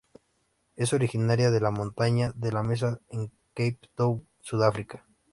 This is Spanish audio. Es originaria de la Montaña de la Mesa en Cape Town, Sudáfrica.